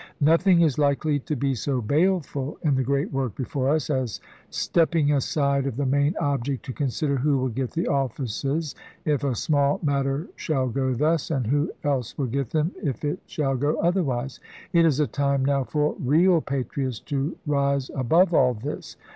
Nothing is likely to be so baleful in the great work before us, as stepping aside of the main object to consider who will get the ofi&ces, if a small matter shall go thus, and who else will get them if it shall go otherwise. It is a time now for real patriots to rise above all this.